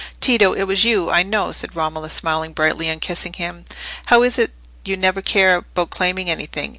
"Tito, it was you, I know," said Romola, smiling brightly, and kissing him. "How is it you never care about claiming anything?